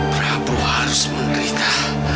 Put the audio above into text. prabu harus menderita